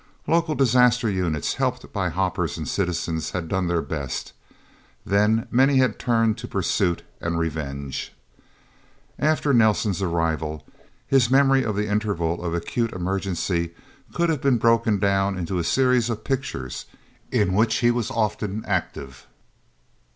Local disaster units, helped by hoppers and citizens, had done their best. Then many had turned to pursuit and revenge. After Nelsen's arrival, his memory of the interval of acute emergency could have been broken down into a series of pictures, in which he was often active.